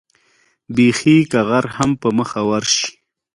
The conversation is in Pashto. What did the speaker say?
بېخي که غر هم په مخه ورشي.